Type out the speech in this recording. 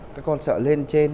các con sợ lên trên